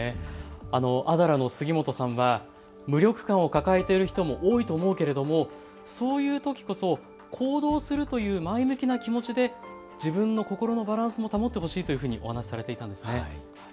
アドラの杉本さんは無力感を抱えている人も多いと思うけれどもそういうときこそ行動するという前向きな気持ちで自分の心のバランスを保ってほしいとお話しされていたんです。